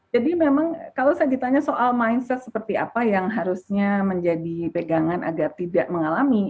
jadi memang kalau saya ditanya soal mindset seperti apa yang harusnya menjadi pegangan agar tidak mengalami